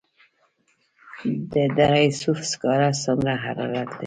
د دره صوف سکاره څومره حرارت لري؟